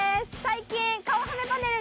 最近。